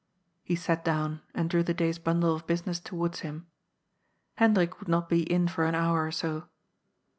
He sat down and drew the day's bundle of business towards him. Hendrik would not be in for an hour or so.